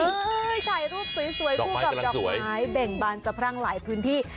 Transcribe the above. ถ่ายรูปสวยคู่กับดอกไม้เบ่งบานสะพรั่งหลายพื้นที่